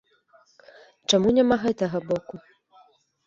Чаму няма гэтага боку?